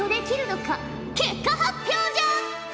結果発表じゃ！